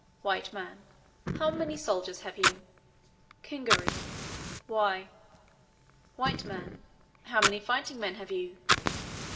W. M. "How many soldiers have you?" Kingaru. " Why?" W. M. "How many fighting men have you?"